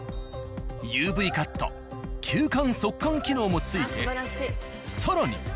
ＵＶカット吸汗速乾機能もついて更に。